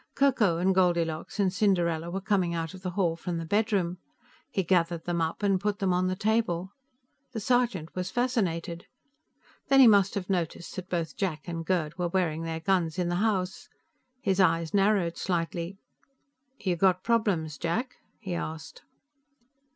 Ko Ko and Goldilocks and Cinderella were coming out of the hall from the bedroom; he gathered them up and put them on the table. The sergeant was fascinated. Then he must have noticed that both Jack and Gerd were wearing their guns in the house. His eyes narrowed slightly. "You got problems, Jack?" he asked.